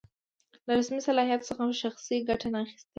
له رسمي صلاحیت څخه شخصي ګټه نه اخیستل.